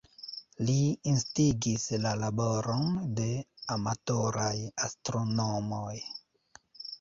Li instigis la laboron de amatoraj astronomoj.